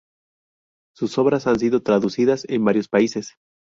Sus obras han sido traducidas en varios países.